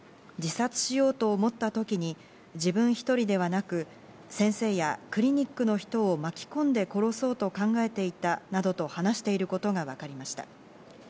自殺しようと思った時に、自分１人ではなく、先生やクリニックの人を巻き込んで殺そうと考えていたなどと話していることが分かりました。